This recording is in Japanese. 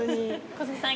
小杉さん